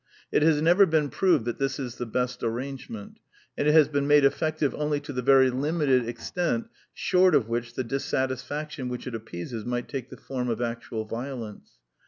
It has never been proved that this is the best arrangement; and it has been made effective only to the very limited extent short of which the dissatisfaction which it appeases might take the form of actual violence.